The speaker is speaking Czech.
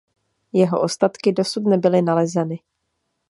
Jeho ostatky dosud nebyly nalezeny.